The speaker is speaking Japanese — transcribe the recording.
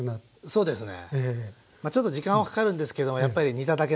そうですね。